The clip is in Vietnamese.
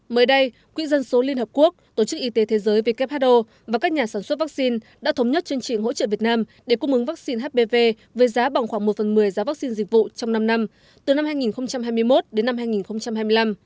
mới đây quỹ dân số liên hợp quốc tổ chức y tế thế giới who và các nhà sản xuất vaccine đã thống nhất chương trình hỗ trợ việt nam để cung ứng vaccine hpv với giá bằng khoảng một phần một mươi giá vaccine dịch vụ trong năm năm từ năm hai nghìn hai mươi một đến năm hai nghìn hai mươi năm